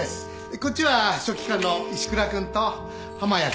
こっちは書記官の石倉君と浜谷君。